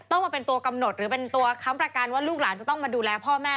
ต้องมาเป็นตัวกำหนดหรือเป็นตัวค้ำประกันว่าลูกหลานจะต้องมาดูแลพ่อแม่